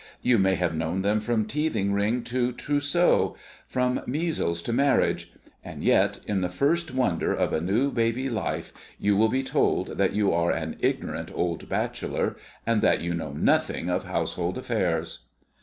You may have known them from teething ring to trousseau, from measles to marriage; and yet in the first wonder of a new baby life you will be told that you are an ignorant old bachelor, and that you know nothing of household affairs!